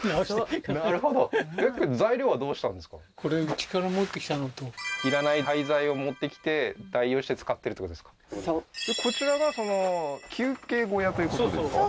はっなるほどいらない廃材を持ってきて代用して使ってるってことですかそうこちらが休憩小屋ということですか？